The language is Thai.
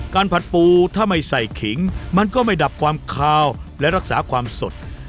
ผัดปูถ้าไม่ใส่ขิงมันก็ไม่ดับความคาวและรักษาความสด